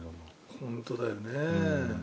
本当だよね。